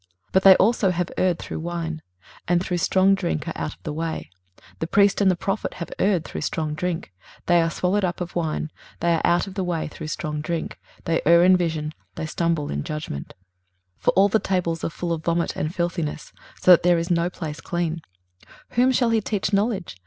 23:028:007 But they also have erred through wine, and through strong drink are out of the way; the priest and the prophet have erred through strong drink, they are swallowed up of wine, they are out of the way through strong drink; they err in vision, they stumble in judgment. 23:028:008 For all tables are full of vomit and filthiness, so that there is no place clean. 23:028:009 Whom shall he teach knowledge?